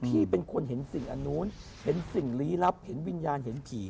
พี่เป็นคนเห็นสิ่งอันนู้นเห็นสิ่งลี้ลับเห็นวิญญาณเห็นผี